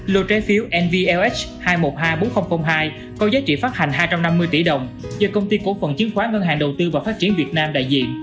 lô trái phiếu nvlh hai triệu một trăm hai mươi bốn nghìn hai có giá trị phát hành hai trăm năm mươi tỷ đồng do công ty cổ phần chiến khoán ngân hạn đầu tư và phát triển việt nam đại diện